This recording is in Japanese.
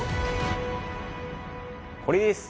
これです。